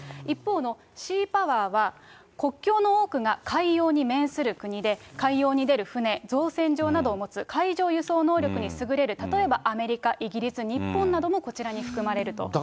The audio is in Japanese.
一方のシーパワーは、国境の多くが海洋に面する国で、海洋に出る船、造船場などを持つ海上輸送能力に優れる、例えばアメリカ、イギリス、日本などもこちらに含まれると。